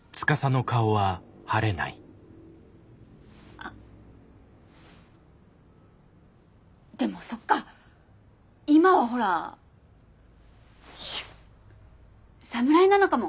あでもそっか今はほらシュッ侍なのかも。